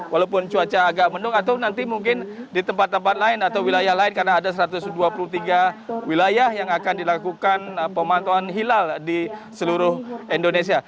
walaupun cuaca agak mendung atau nanti mungkin di tempat tempat lain atau wilayah lain karena ada satu ratus dua puluh tiga wilayah yang akan dilakukan pemantauan hilal di seluruh indonesia